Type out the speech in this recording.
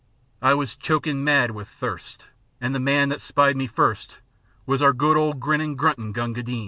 I was chokin' mad with thirst, An' the man that spied me first Was our good old grinnin', gruntin' Gunga Din.